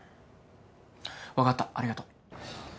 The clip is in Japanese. わかったありがとう。